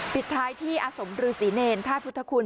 ปิดท้ายที่อสมฉรือศรีเนรฌท่าพุทธคุณ